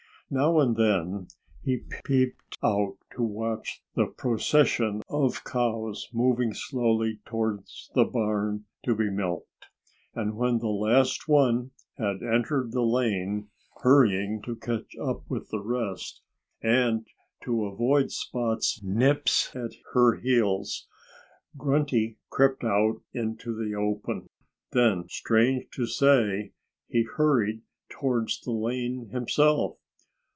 Now and then he peeped out to watch the procession of cows moving slowly towards the barn to be milked. And when the last one had entered the lane, hurrying to catch up with the rest and to avoid Spot's nips at her heels Grunty crept out into the open. Then, strange to say, he hurried towards the lane himself.